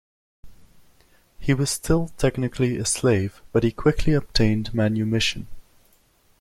He was still technically a slave, but he quickly obtained manumission.